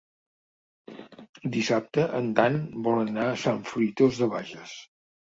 Dissabte en Dan vol anar a Sant Fruitós de Bages.